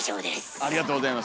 ありがとうございます。